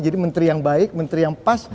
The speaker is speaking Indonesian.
jadi menteri yang baik menteri yang pas